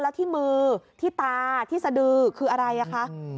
แล้วที่มือที่ตาที่สะดือคืออะไรอ่ะคะ